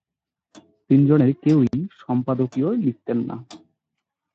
তিনজনের কেউই সম্পাদকীয় লিখতেন না।